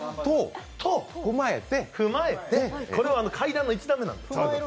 と踏まえてこれは階段の１段目なんです